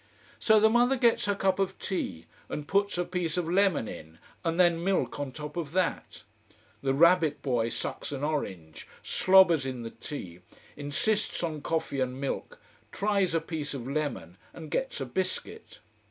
So the mother gets her cup of tea and puts a piece of lemon in and then milk on top of that. The rabbit boy sucks an orange, slobbers in the tea, insists on coffee and milk, tries a piece of lemon, and gets a biscuit.